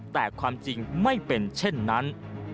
แต่ความจริงไม่เป็นเช่นนั้น